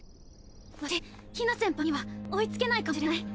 私ひな先輩には追いつけないかもしれない。